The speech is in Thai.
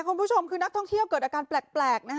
คุณผู้ชมคือนักท่องเที่ยวเกิดอาการแปลกนะฮะ